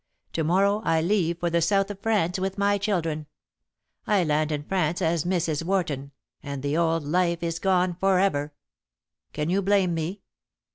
To morrow I leave for the south of France with my children. I land in France as Mrs. Warton, and the old life is gone for ever. Can you blame me?"